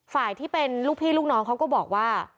ฝ่ายที่เป็นลูกพี่ลูกน้องเขาก็บอกว่า